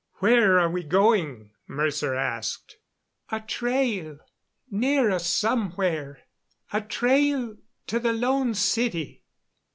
"Where are we going?" Mercer asked. "A trail near us somewhere. A trail to the Lone City.